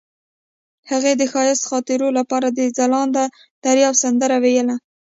هغې د ښایسته خاطرو لپاره د ځلانده دریاب سندره ویله.